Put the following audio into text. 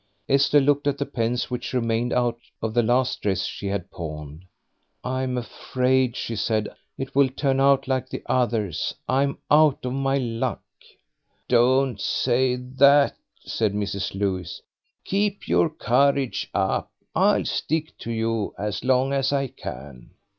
Esther looked at the pence which remained out of the last dress that she had pawned. "I'm afraid," she said, "it will turn out like the others; I'm out of my luck." "Don't say that," said Mrs. Lewis; "keep your courage up; I'll stick to you as long as I can."